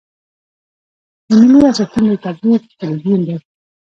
د ملي ارزښتونو د تبلیغ تربیون دی.